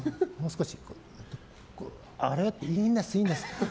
いいんです、いいんです。